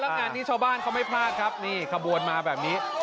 แล้วงานนี้ชาวบ้านเขาไม่พลาดครับนี่ขบวนมาแบบนี้